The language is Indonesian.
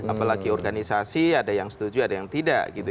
apalagi organisasi ada yang setuju ada yang tidak gitu